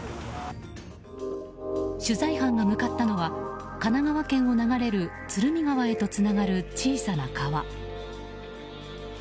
取材班が向かったのは神奈川県を流れる鶴見川へとつながる小さな川。